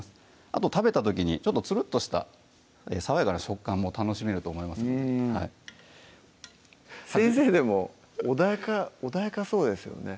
あと食べた時にちょっとつるっとした爽やかな食感も楽しめると思いますので先生でも穏やかそうですよね